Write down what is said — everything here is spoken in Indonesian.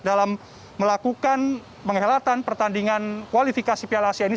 dalam melakukan penghelatan pertandingan kualifikasi piala asia ini